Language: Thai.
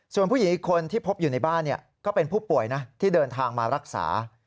ส่วนผู้หญิงอีกคนที่พบอยู่ในบ้านก็เป็นผู้ป่วยนะที่เดินทางมารักษา